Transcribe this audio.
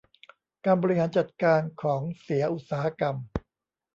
การบริหารจัดการของเสียอุตสาหกรรม